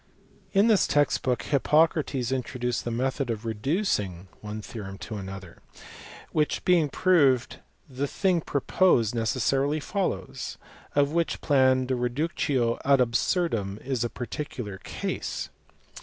In this text book Hippocrates introduced the method of "reducing" one theorem to another, which being proved, the thing proposed necessarily follows; of which plan the reductio ad absurdum is a particular case.